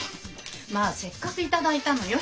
まあせっかく頂いたのよ。